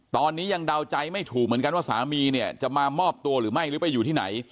ตอนนี้ยังเดาใจไม่ถูกเหมือนกันว่าสามีเนี่ยจะมามอบตัวหรือไม่หรือไปอยู่ที่ไหน